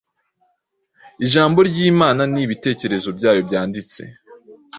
Ijambo ry’Imana ni ibitekerezo byayo byanditswe